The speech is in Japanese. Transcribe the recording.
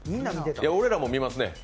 俺らも見ますね。